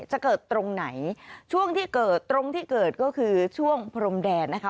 จะเกิดตรงไหนช่วงที่เกิดตรงที่เกิดก็คือช่วงพรมแดนนะคะ